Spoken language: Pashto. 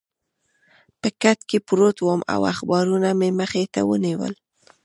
په کټ کې پروت وم او اخبارونه مې مخې ته ونیول.